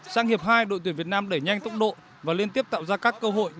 sang hiệp hai đội tuyển việt nam đẩy nhanh tốc độ và liên tiếp tạo ra các cơ hội